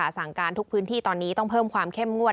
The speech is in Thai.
สั่งการทุกพื้นที่ตอนนี้ต้องเพิ่มความเข้มงวด